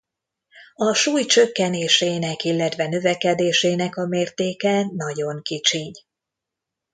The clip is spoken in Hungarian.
A súly csökkenésének illetve növekedésének a mértéke nagyon kicsiny.